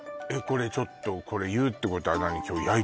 これちょっとこれ言うってことは何？